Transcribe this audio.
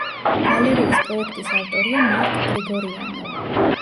გალერეის პროექტის ავტორია მარკ გრიგორიანი.